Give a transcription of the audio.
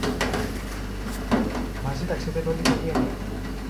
Μαζί ταξίδευε όλη η οικογένεια